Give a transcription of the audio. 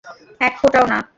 এক ফোঁটাও না।